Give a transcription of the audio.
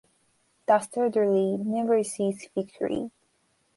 Dastardly never sees victory.